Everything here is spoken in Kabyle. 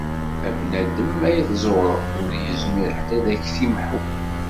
A bnadem ay tezzewreḍ, ur yezmir ḥedd ad ak-t-imḥu.